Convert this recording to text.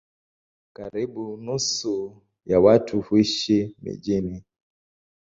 Karibu nusu ya watu huishi mijini.